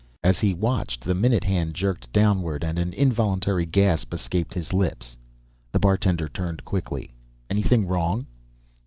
As he watched, the minute hand jerked downward and an involuntary gasp escaped his lips. The bartender turned quickly. "Anything wrong?"